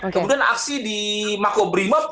kemudian aksi di makobrimob